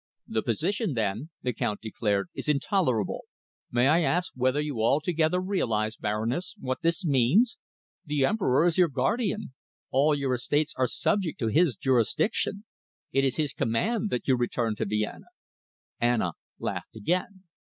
"The position, then," the Count declared, "is intolerable. May I ask whether you altogether realise, Baroness; what this means? The Emperor is your guardian. All your estates are subject to his jurisdiction. It is his command that you return to Vienna." Anna laughed again.